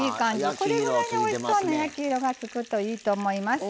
これぐらいにおいしそうな焼き色がつくといいと思います。